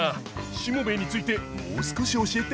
しもべえについてもう少し教えて。